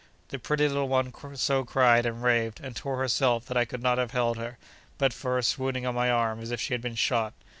The pretty little one so cried, and raved, and tore herself that I could not have held her, but for her swooning on my arm as if she had been shot.